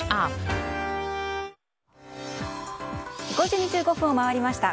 ５時２５分を回りました。